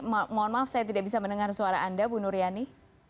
ya bu nur yani mohon maaf saya tidak bisa mendengar suara anda bu nur yani